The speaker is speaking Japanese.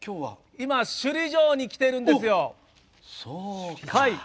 今、首里城に来ているんですよ。